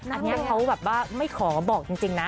อันนี้เขาแบบว่าไม่ขอบอกจริงนะ